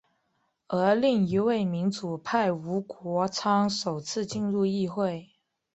而另一位民主派吴国昌首次进入议会。